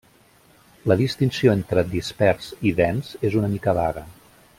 La distinció entre dispers i dens és una mica vaga.